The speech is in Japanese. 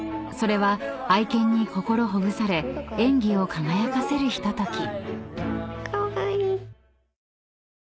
［それは愛犬に心ほぐされ演技を輝かせるひととき］